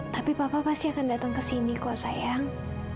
tapi papa pasti akan datang kesini kok sayang